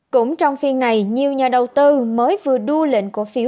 cũng trong phiên này nhiều nhà đầu tư mới vừa đu lệnh cổ phiếu